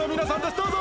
どうぞ！